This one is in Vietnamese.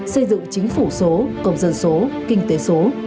xây dựng chính phủ số công dân số kinh tế số